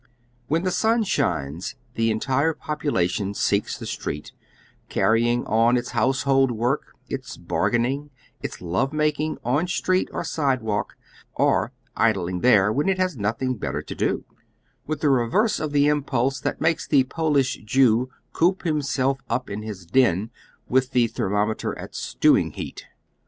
When the sua shines the entire population seeks the street, car rying on its household work, its bargaining, its love mak ing on street or sidewalk, or idling there when it has nothing better to do, with the reverse of the impulse that makes the Polish Jew coop liimself up in his den with the thermometer at stewing Iieat.